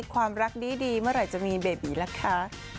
ความรักดีเมื่อไหร่จะมีเบบีล่ะคะ